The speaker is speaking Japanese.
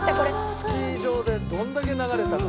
スキー場でどんだけ流れたか。